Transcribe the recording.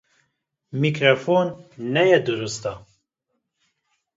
Mîkrofon neya dirust e.